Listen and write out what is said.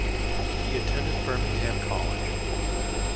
He attended Birmingham College.